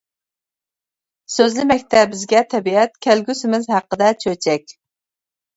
سۆزلىمەكتە بىزگە تەبىئەت، كەلگۈسىمىز ھەققىدە چۆچەك.